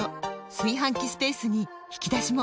炊飯器スペースに引き出しも！